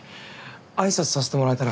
挨拶させてもらえたら。